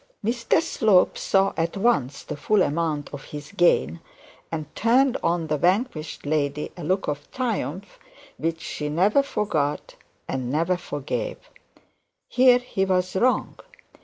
Mr Slope saw at once the full amount of his gain, and turned on the vanquished lady a look of triumph which she never forgot and never forgave. Here he was wrong.